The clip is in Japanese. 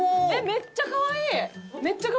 めっちゃかわいいですよ。